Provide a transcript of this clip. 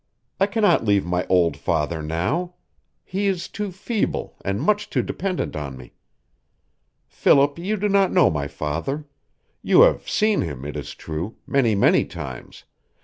I cannot leave my old father now. He is too feeble and much too dependent on me. Philip, you do not know my father. You have seen him, it is true, many, many times.